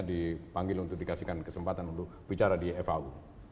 dipanggil untuk dikasihkan kesempatan untuk bicara di fau